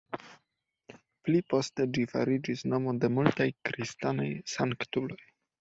Pli poste ĝi fariĝis nomo de multaj kristanaj sanktuloj.